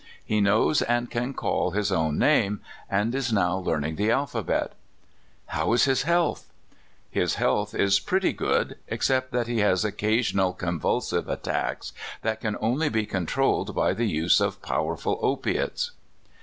He knows and can call his own name, and is now learning the alphabet." *' How is his health?" *' His health is pretty good, except that he has occasional convulsive attacks that can only be con trolled by the use of powerful opiates."